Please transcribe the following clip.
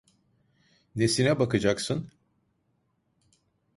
Nesine bakacaksın?